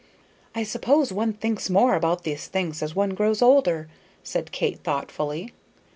"I suppose one thinks more about these things as one grows older," said Kate, thoughtfully.